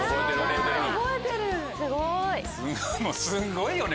すごい。